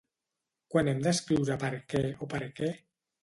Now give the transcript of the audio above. Quan hem d'escriure perquè o per què?